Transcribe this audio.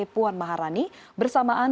puan maharani bersamaan